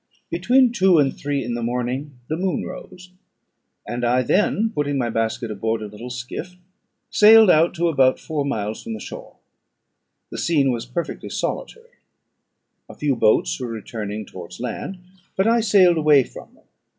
Between two and three in the morning the moon rose; and I then, putting my basket aboard a little skiff, sailed out about four miles from the shore. The scene was perfectly solitary: a few boats were returning towards land, but I sailed away from them.